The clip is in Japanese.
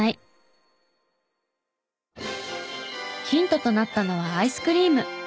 ヒントとなったのはアイスクリーム。